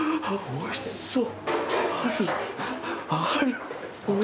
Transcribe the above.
おいしそう！